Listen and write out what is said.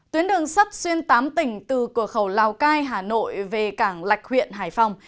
tuyến đường sắt xuyên tám tỉnh từ cửa khẩu lào cai hà nội về cảng lạch huyện hải phòng